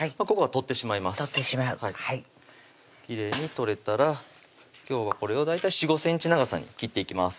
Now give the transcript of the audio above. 取ってしまうきれいに取れたら今日はこれを大体４５ｃｍ長さに切っていきます